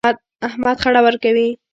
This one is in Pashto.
احمد خړه ورکوي.